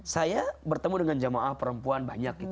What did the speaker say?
saya bertemu dengan jamaah perempuan banyak